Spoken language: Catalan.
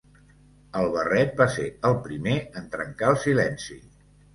El barret va ser el primer en trencar el silenci.